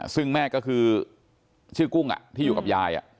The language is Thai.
ซึ่งแม่ก็คือชื่อกุ้งที่อยู่กับยาย